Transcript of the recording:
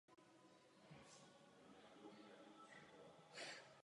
V současné době je kostel pod správou kolínské farnosti.